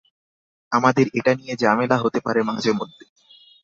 আমাদের এটা নিয়ে ঝামেলা হতে পারে মাঝে মধ্যে।